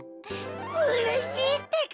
うれしいってか！